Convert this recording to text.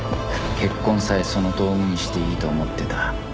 結婚さえその道具にしていいと思ってた